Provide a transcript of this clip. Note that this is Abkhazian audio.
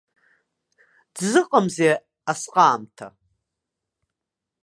Дзыҟамзеи асҟаамҭа?